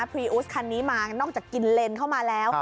พรีอูสคันนี้มานอกจากกินเลนเข้ามาแล้ว